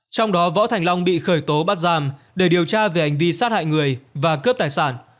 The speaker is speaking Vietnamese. trong đó võ thành long bị khởi tố bắt giam để điều tra về hành vi sát hại người và cướp tài sản